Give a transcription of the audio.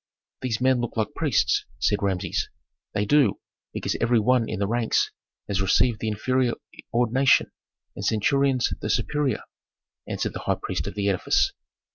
"These men look like priests," said Rameses. "They do, because every one in the ranks has received the inferior ordination, and centurions the superior," answered the high priest of the edifice.